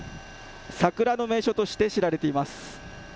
桜の名所として知られています。